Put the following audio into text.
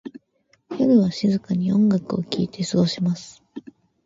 夜は静かに音楽を聴いて過ごします。